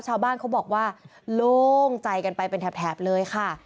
ชาวบ้านเขาบอกว่าโล่งใจกันไปเป็นแถบเลยค่ะ